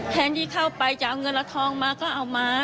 แทนที่เข้าไปจะเอาเงินเอาทองมาก็เอามา